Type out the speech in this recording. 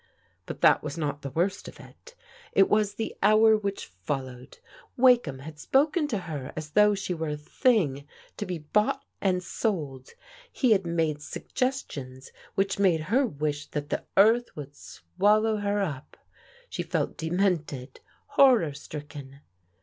But that was not the worst of it. It was the hour which followed. Wakeham had spoken to her as though she were a thing to be bought and sold. He had made suggestions which made her wish that the earth would swallow her up ; she felt demented, horror stricken.